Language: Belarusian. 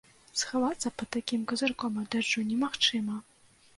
Схавацца пад такім казырком ад дажджу немагчыма!